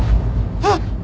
あっ！